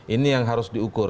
ini yang harus diukur